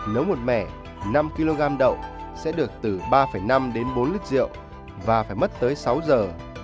nếu một mẻ năm kg đậu sẽ được từ ba năm đến bốn lít rượu và phải mất tới sáu giờ